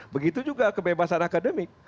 begitu juga kebebasan akademik